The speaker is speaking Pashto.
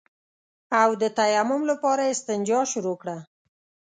او د تيمم لپاره يې استنجا شروع کړه.